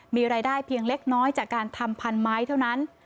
มีรายได้เพียงเล็กน้อยจากการทำพันไม้เท่านั้น